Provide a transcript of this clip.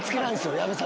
矢部さん